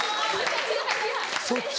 そっち？